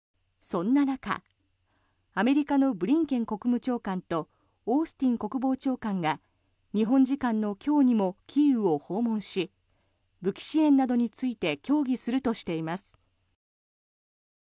そんな中アメリカのブリンケン国務長官とオースティン国防長官が日本時間の今日にもキーウを訪問し武器支援などについて協議するとしています。